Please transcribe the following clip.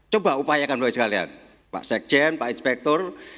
coba upayakan buat kalian pak sekjen pak inspektor